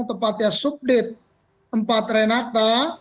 tepatnya subdit empat renata